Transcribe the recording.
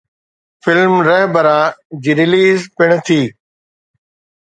Film ”Rahbara“ جي release پڻ ٿي.